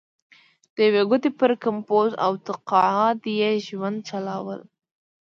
د یوې ګوتې پر کمپوز او تقاعد یې ژوند چلوله.